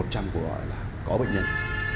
một trăm linh câu gọi là có bệnh nhân